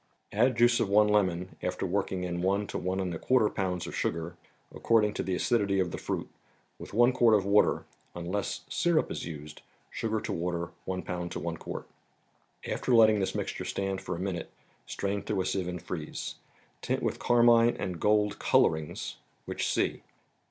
Add juice of one lemon after working in one to one and a quarter pounds of sugar, according to the acidity of the fruit, with one quart of water (unless syrup is used— sugar to water, one pound to one quart). After letting this mix¬ ture stand for a minute strain through a sieve and freeze. Tint with Carmine and Gold " Colorings," which see.